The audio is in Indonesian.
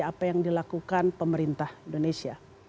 apa yang dilakukan pemerintah indonesia